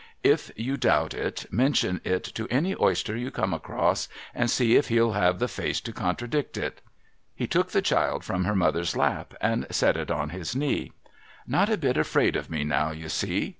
If you doubt it, mention it to any oyster you come across, and see if he'll have the f^ice to contradict it.' He took the child from her mother's lap and set it on his knee. ' Not a bit afraid of me now, you see.